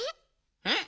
えっ？